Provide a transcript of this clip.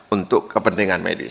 untuk kepentingan medis